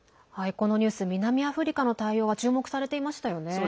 このニュース南アフリカの対応が注目されていましたよね。